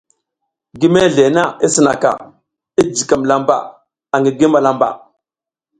Gi mezle na i sinaka, i jijikam lamba angi gi malambaʼa.